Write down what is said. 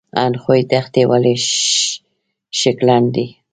اندخوی دښتې ولې شګلن دي؟